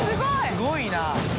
すごいな。